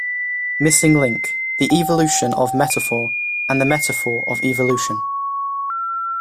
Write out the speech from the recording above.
Missing Link: the Evolution of Metaphor and the Metaphor of Evolution.